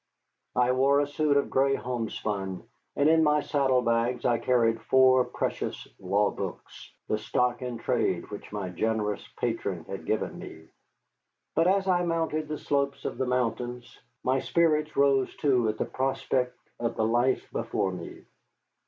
I wore a suit of gray homespun, and in my saddle bags I carried four precious law books, the stock in trade which my generous patron had given me. But as I mounted the slopes of the mountains my spirits rose too at the prospect of the life before me.